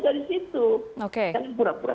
dari situ jangan pura pura